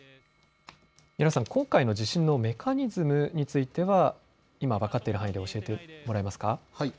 今回の地震のメカニズムについては今、分かっている範囲で教えてもらえますか。